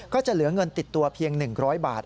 ก็จะเหลือเงินติดตัวเพียง๑๐๐บาท